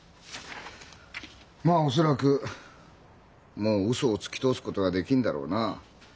まあ恐らくもうウソをつき通すことはできんだろうなあ。